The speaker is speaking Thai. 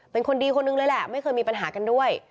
เป็นคนดีคนหนึ่งเลยแหละไม่เคยมีปัญหากันด้วย